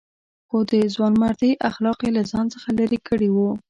خو د ځوانمردۍ اخلاق یې له ځان څخه لرې کړي وو.